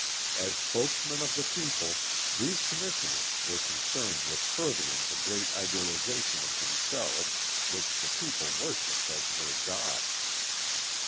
As spokesmen of the people these commissioners were concerned with furthering the great idealization of themselves which the people worshipped as their god.